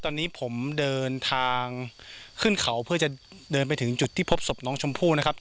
ตอนนี้ผมเดินทางขึ้นเขาเพื่อจะเดินไปถึงจุดที่พบศพน้องชมพู่นะครับ